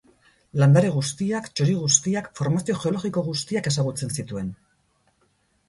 Landare guztiak, txori guztiak, formazio geologiko guztiak ezagutzen zituen.